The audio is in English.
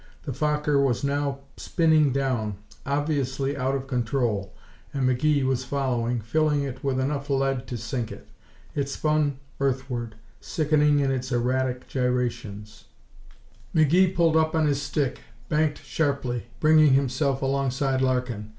The Fokker was now spinning down, obviously out of control, and McGee was following, filling it with enough lead to sink it. It spun earthward, sickening in its erratic gyrations. McGee pulled up on his stick, banked sharply, bringing himself alongside Larkin.